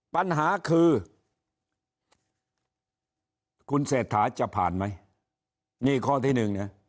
ปัญหาคือคุณเศรษฐาจะผ่านไหมนี่ข้อที่หนึ่งเนี่ย